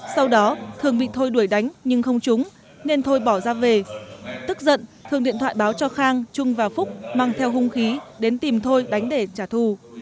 sau đó thường bị thôi đuổi đánh nhưng không trúng nên thôi bỏ ra về tức giận thường điện thoại báo cho khang trung và phúc mang theo hung khí đến tìm thôi đánh để trả thù